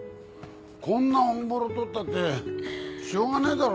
こんなオンボロ撮ったってしょうがねえだろ。